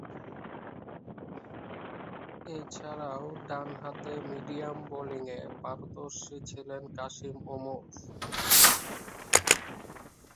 এছাড়াও, ডানহাতে মিডিয়াম বোলিংয়ে পারদর্শী ছিলেন কাশিম ওমর।